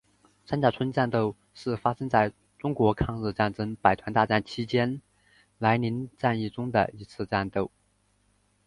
三甲村战斗是发生在中国抗日战争百团大战期间涞灵战役中的一次战斗。